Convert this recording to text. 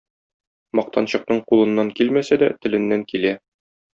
Мактанчыкның кулыннан килмәсә дә теленнән килә.